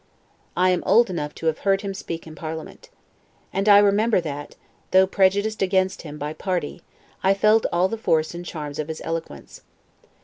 I am old enough to have heard him speak in parliament. And I remember that, though prejudiced against him by party, I felt all the force and charms of his eloquence.